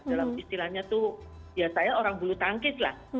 dalam istilahnya tuh ya saya orang bulu tangkis lah